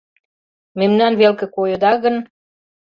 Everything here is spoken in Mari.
Мемнан велке койыда гын